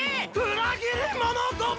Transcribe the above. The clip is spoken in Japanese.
裏切り者ども！